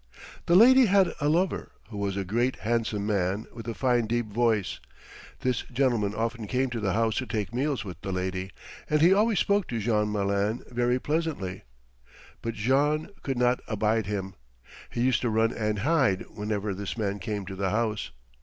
The lady had a lover who was a great, handsome man with a fine deep voice. This gentleman often came to the house to take meals with the lady, and he always spoke to Jean Malin very pleasantly; but Jean could not abide him. He used to run and hide whenever this man came to the house.